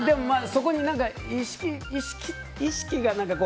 そこに意識が何か。